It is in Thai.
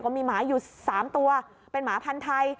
มีหมาอยู่๓ตัวเป็นหมาพันธุ์ไทย